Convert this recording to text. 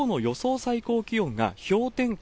最高気温が氷点下